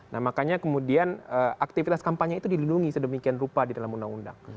nah makanya kemudian aktivitas kampanye itu dilindungi sedemikian rupa di dalam undang undang